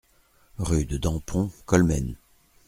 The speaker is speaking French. Rue de Dampont, Colmen